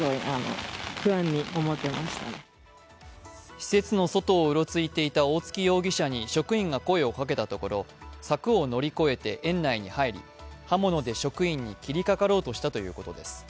施設の外をうろついていた大槻容疑者に職員が声をかけたところ柵を乗り越えて園内に入り刃物で職員に切りかかろうとしたということです。